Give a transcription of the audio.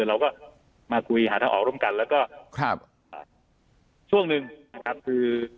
เราก็มาคุยหาทางออกร่วมกันแล้วก็ช่วงหนึ่งนะครับคือ